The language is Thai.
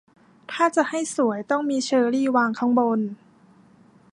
ถ้าจะให้สวยต้องมีเชอร์รี่วางข้างบน